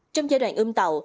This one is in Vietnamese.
trong giai đoạn ươm tạo